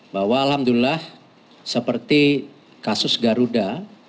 bahwa alhamdulillah seperti kasus garuda